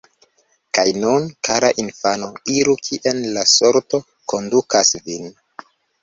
Kaj nun, kara infano, iru kien la sorto kondukas vin.